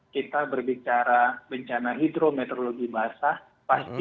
kita berbicara bencana hidrometeorologi basah pasti tidak akan jauh jauh dari catchment area